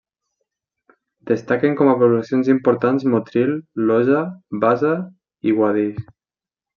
Destaquen com a poblacions importants Motril, Loja, Baza i Guadix.